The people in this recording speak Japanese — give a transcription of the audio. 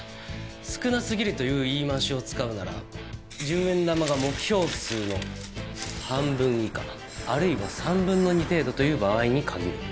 「少なすぎる」という言い回しを使うなら１０円玉が目標数の半分以下あるいは３分の２程度という場合に限る。